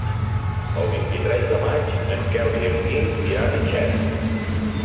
El vint-i-tres de maig en Quel i en Guim iran a Xera.